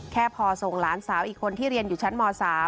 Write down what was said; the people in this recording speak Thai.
แค่พอส่งหลานสาวอีกคนที่เรียนอยู่ชั้นม๓